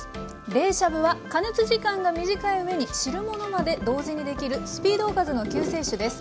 冷しゃぶは加熱時間が短い上に汁物まで同時にできるスピードおかずの救世主です。